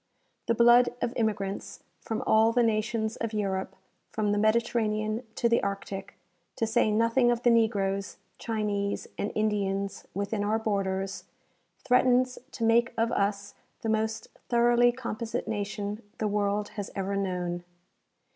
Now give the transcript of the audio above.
The blood of immi grants from all the nations of Europe, from the Mediterranean to the Arctic, to say nothing of the negroes, Chinese and Indians within our borders, threatens to make of us the most thoroughly composite nation the world has ever known.